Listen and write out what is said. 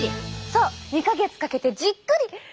そう２か月かけてじっくり。